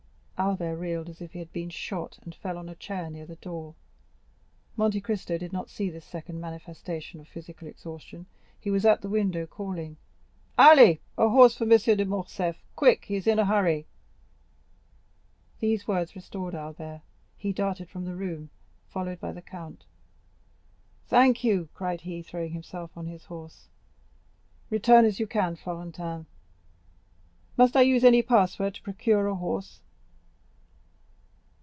Albert reeled as if he had been shot, and fell on a chair near the door. Monte Cristo did not see this second manifestation of physical exhaustion; he was at the window, calling: "Ali, a horse for M. de Morcerf—quick! he is in a hurry!" 40190m These words restored Albert; he darted from the room, followed by the count. "Thank you!" cried he, throwing himself on his horse. "Return as soon as you can, Florentin. Must I use any password to procure a horse?"